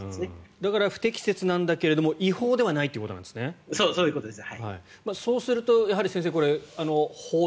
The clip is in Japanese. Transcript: だから、不適切なんだけど違法ではないということですね。